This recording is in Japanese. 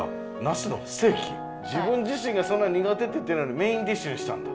自分じしんが苦手って言ってるのにメインディッシュにしたんだ。